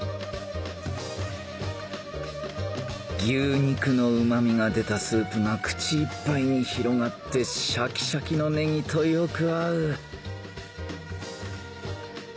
牛肉のうまみが出たスープが口いっぱいに広がってシャキシャキのネギとよく合う